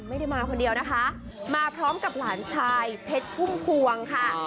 ไม่ได้มาคนเดียวนะคะมาพร้อมกับหลานชายเพชรพุ่มพวงค่ะ